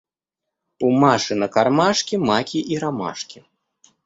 У Маши на кармашке маки и ромашки.